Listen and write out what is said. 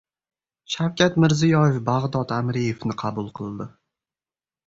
Shavkat Mirziyoyev Bag‘dod Amreevni qabul qildi